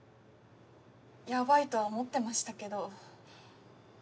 ヤバいとは思ってましたけど。